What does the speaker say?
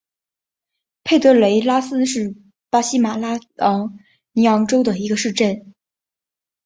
佩德雷拉斯是巴西马拉尼昂州的一个市镇。